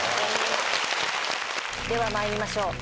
では参りましょう。